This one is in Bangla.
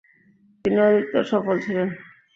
তিনি অধিকতর সফল ছিলেন।